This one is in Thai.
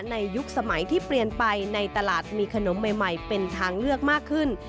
ยุคสมัยที่เปลี่ยนไปในตลาดมีขนมใหม่เป็นทางเลือกมากขึ้น